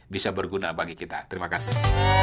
bisa berguna bagi kita terima kasih